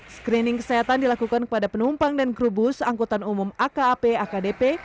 screening kesehatan dilakukan kepada penumpang dan kru bus angkutan umum akap akdp